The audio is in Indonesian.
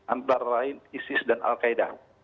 antara lain isis dan al qaeda